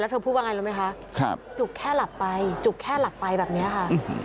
เธอพูดว่าไงรู้ไหมคะจุกแค่หลับไปจุกแค่หลับไปแบบนี้ค่ะ